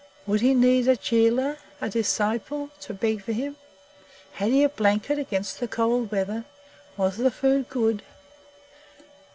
Would he need a chela a disciple to beg for him? Had he a blanket against the cold weather? Was the food good?